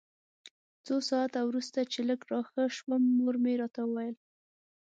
څو ساعته وروسته چې لږ راښه شوم مور مې راته وویل.